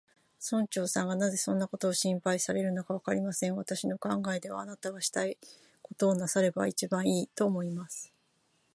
村長さんがなぜそんなことを心配されるのか、わかりません。私の考えでは、あなたはしたいことをなさればいちばんいい、と思います。